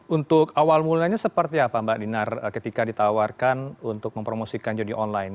untuk awal mulanya seperti apa mbak dinar ketika ditawarkan untuk mempromosikan judi online